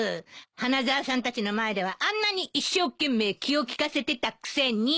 花沢さんたちの前ではあんなに一生懸命気を利かせてたくせに。